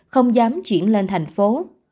không dám chuyển lên thành phố